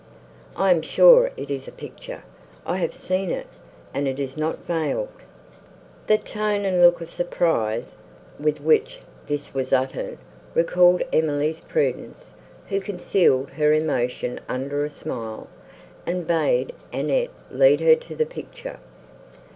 I am sure it is a picture—I have seen it, and it is not veiled!" The tone and look of surprise, with which this was uttered, recalled Emily's prudence; who concealed her emotion under a smile, and bade Annette lead her to the picture.